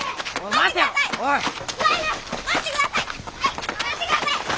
待ってください！